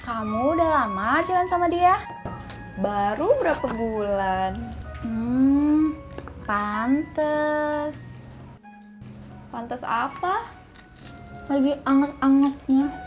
kamu udah lama jalan sama dia baru berapa bulan pantes pantes apa lagi anget angetnya